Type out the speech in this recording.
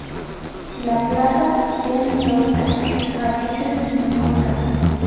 La planta es dioica, a veces monoica.